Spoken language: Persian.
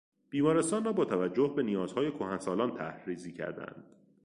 بیمارستان را با توجه به نیازهای کهنسالان طرح ریزی کردند.